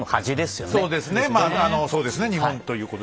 そうですね。